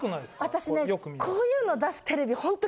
私ね。